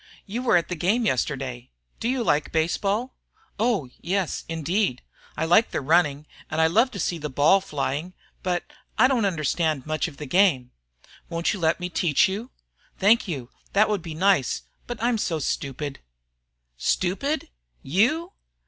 "You were at the game yesterday. Do you like baseball?" "Oh, yes, indeed. I like the running, and I love to see the ball flying, but I don't understand much of the game." "Won't you let me teach you?" "Thank you, that would be nice, but I'm so stupid." "Stupid! You?"